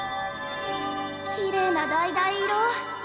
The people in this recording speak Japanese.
きれいなだいだい色。